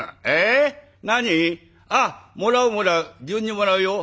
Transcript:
え何？あっもらうもらう。